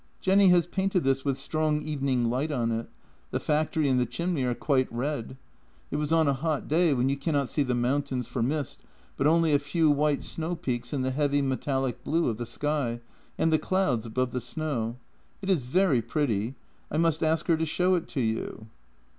" Jenny has painted this with strong evening light on it. The factory and the chimney are quite red. It was on a hot day, when you cannot see the mountains for mist, but only a few white snow peaks in the heavy metallic blue of the sky, and the clouds above the snow. It is very pretty. I must ask her to show it to you."